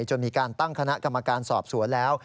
จนมีการตั้งคณะกรรมการสอบสวนแล้ว